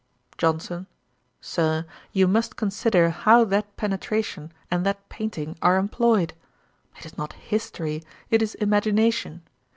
JOHNSON. 'Sir, you must consider how that penetration and that painting are employed. It is not history, it is imagination.